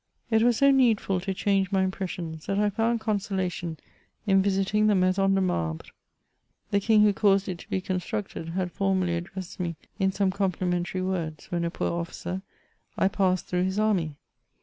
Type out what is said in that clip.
It was so needful to change my impressions, that I found consolation in visiting the Maison de Marhre. The King who caused it to be constructed, had formerly addressed me in some complimentary words, when a poor officer, I passed through his army.